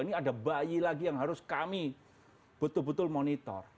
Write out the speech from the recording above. ini ada bayi lagi yang harus kami betul betul monitor